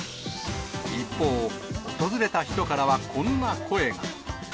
一方、訪れた人からはこんな声が。